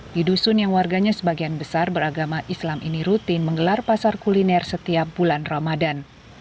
di dusun yang warganya sebagian besar beragama islam ini rutin menggelar pasar kuliner setiap bulan ramadan